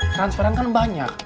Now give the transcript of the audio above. transferan kan banyak